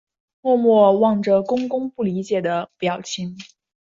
默默望着公公不理解的表情